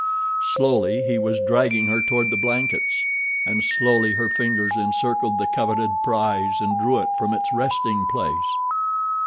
Slowly he was dragging her toward the blankets, and slowly her fingers encircled the coveted prize and drew it from its resting place.